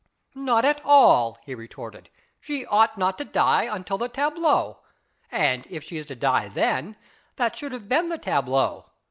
" Not at all," he retorted ;" she ought not to die until the tableau. And if she had to die then, that should have been the tableau.